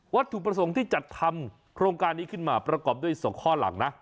ถูกประสงค์ที่จัดทำโครงการนี้ขึ้นมาประกอบด้วย๒ข้อหลังนะ